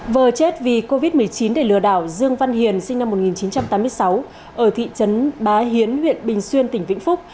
vừa chết vì covid một mươi chín để lừa đảo dương văn hiền sinh năm một nghìn chín trăm tám mươi sáu ở thị trấn bá hiến huyện bình xuyên tỉnh vĩnh phúc